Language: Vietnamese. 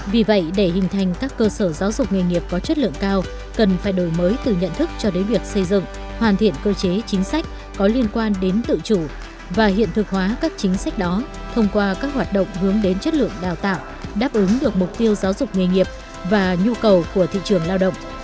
vì vậy để hình thành các cơ sở giáo dục nghề nghiệp có chất lượng cao cần phải đổi mới từ nhận thức cho đến việc xây dựng hoàn thiện cơ chế chính sách có liên quan đến tự chủ và hiện thực hóa các chính sách đó thông qua các hoạt động hướng đến chất lượng đào tạo đáp ứng được mục tiêu giáo dục nghề nghiệp và nhu cầu của thị trường lao động